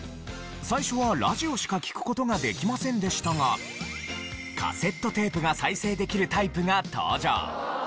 最初はラジオしか聴く事ができませんでしたがカセットテープが再生できるタイプが登場。